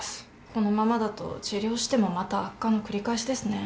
このままだと治療してもまた悪化の繰り返しですね？